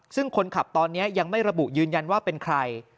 ซึ่งคนขับตอนนี้ยังไม่ระบุยืนยันว่าเป็นใคร